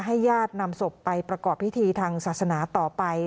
ญาตินำศพไปประกอบพิธีทางศาสนาต่อไป